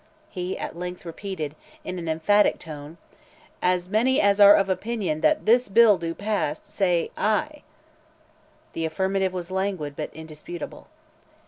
He at length repeated, in an emphatic tone, 'As many as are of opinion that THIS BILL do pass, say ay! The affirmative was languid, but indisputable.